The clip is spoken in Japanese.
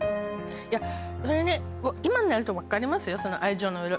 いやそりゃね今になると分かりますよ。